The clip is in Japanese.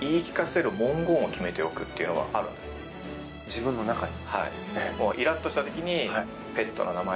自分の中に？